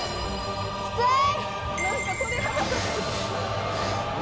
きつい！